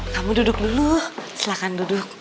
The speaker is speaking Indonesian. kamu duduk dulu silahkan duduk